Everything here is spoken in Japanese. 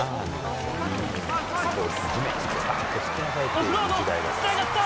オフロード、つながった！